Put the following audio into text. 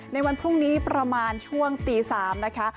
ในวันพรุ่งนี้ประมาณช่วงตี๓นะคะ